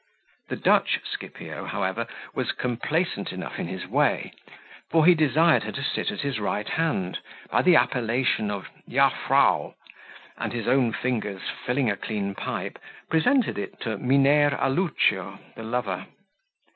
The Dutch Scipio, however, was complaisant enough in his way; for he desired her to sit at his right hand, by the appellation of Ya frow, and with his own fingers filling a clean pipe, presented it to Mynheer Allucio, the lover.